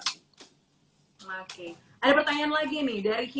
ada pertanyaan lagi nih dari hilmi delapan